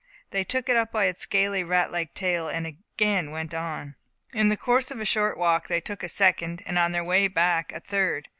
They took it up by its scaly, rat like tail, and again went on. In the course of a short walk they took a second, and on their way back, a third.